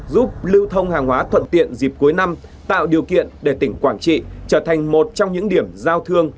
giúp lưu thông hàng hóa thuận tiện dịp cuối năm tạo điều kiện để tỉnh quảng trị trở thành một trong những điểm giao thương